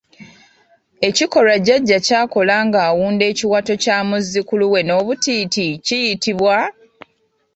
Ekikolwa jjajja kyakola ng'awunda ekiwato kya muzzukulu we n'obutiiti kiyitibwa?